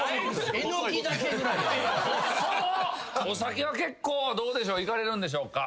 お酒は結構どうでしょう？